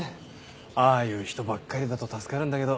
ああいう人ばっかりだと助かるんだけど。